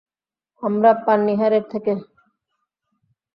আমরা পান্নিহারের থেকে।